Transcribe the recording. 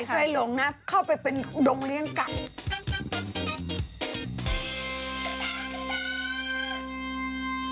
พี่แฟนเคยหลงนะเข้าไปเป็นดงเลี้ยงกัก